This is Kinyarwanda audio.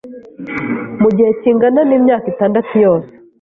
mu gihe kingana n’imyaka itandatu yose